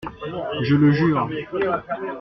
Je le jure.